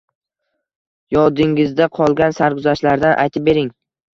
— Yodingizda qolgan sarguzashtlardan aytib bering?